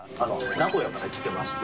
名古屋から来てまして。